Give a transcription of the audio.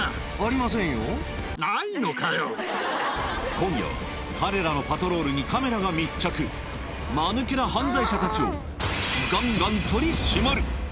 今夜は彼らのパトロールにカメラが密着マヌケな犯罪者たちをガンガン取り締まる